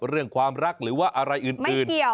เรื่องความรักหรือว่าอะไรอื่น